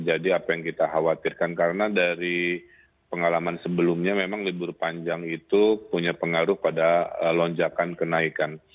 jadi apa yang kita khawatirkan karena dari pengalaman sebelumnya memang libur panjang itu punya pengaruh pada lonjakan kenaikan